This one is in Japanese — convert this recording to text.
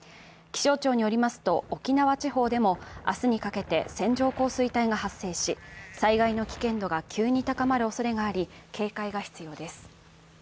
気象庁によりますと、沖縄地方でも明日にかけて線状降雨帯が発生し災害の危険度が急に高まるおそれがあり警戒が必要です。